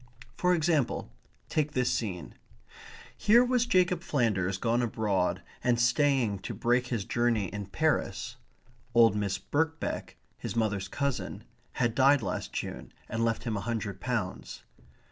For example, take this scene. Here was Jacob Flanders gone abroad and staying to break his journey in Paris. (Old Miss Birkbeck, his mother's cousin, had died last June and left him a hundred pounds.)